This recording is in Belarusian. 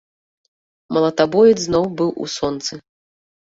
Малатабоец зноў быў у сонцы.